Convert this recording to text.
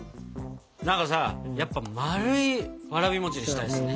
何かさやっぱまるいわらび餅にしたいですね。